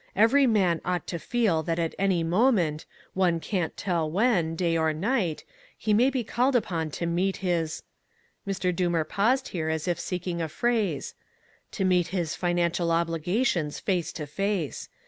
Every man ought to feel that at any moment, one can't tell when, day or night, he may be called upon to meet his," Mr. Doomer paused here as if seeking a phrase "to meet his Financial Obligations, face to face.